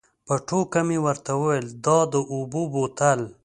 په ټوکه مې ورته وویل دا د اوبو بوتل.